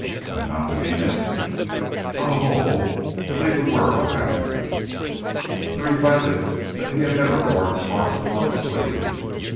And not to be missed! On the whole to leave the world happier! He reflected that he had never worn his heart upon his sleeve.